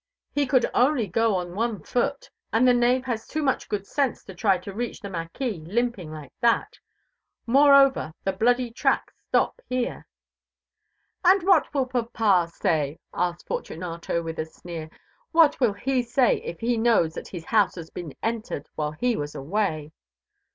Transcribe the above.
He could only go on one foot, and the knave has too much good sense to try to reach the mâquis limping like that. Moreover, the bloody tracks stop here." "And what will papa say?" asked Fortunato with a sneer; "what will he say if he knows that his house has been entered while he was away?"